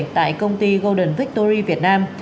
tại công ty golden victory việt nam